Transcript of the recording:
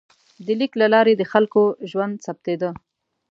د لیک له لارې د خلکو ژوند ثبتېده.